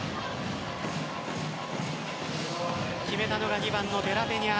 決めたのが２番のデラペニャ。